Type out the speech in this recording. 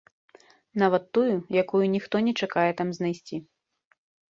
Нават тую, якую ніхто не чакае там знайсці.